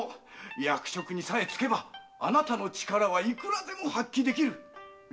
役職にさえ就けばあなたの力はいくらでも発揮できる。